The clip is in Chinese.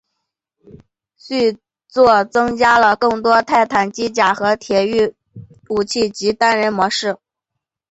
续作增加了更多的泰坦机甲和铁驭武器以及单人故事模式。